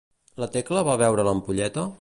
La Tecla va veure l'ampolleta?